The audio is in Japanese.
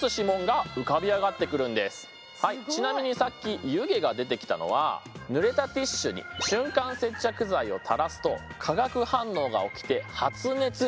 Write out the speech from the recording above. ちなみにさっき湯気が出てきたのは濡れたティッシュに瞬間接着剤をたらすとえ！